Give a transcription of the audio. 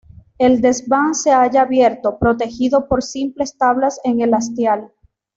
El desván se halla abierto, protegido por simples tablas en el hastial.